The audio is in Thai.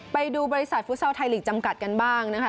ไปดูบริษัทฟุตซอลไทยลีกจำกัดกันบ้างนะคะ